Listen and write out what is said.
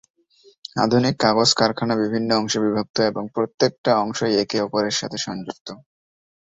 আধুনিক কাগজ কারখানা বিভিন্ন অংশে বিভক্ত এবং প্রত্যেকটা অংশই একে অপরের সাথে সংযুক্ত।